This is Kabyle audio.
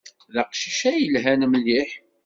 D aqcic ay yelhan mliḥ.